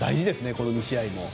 この２試合も。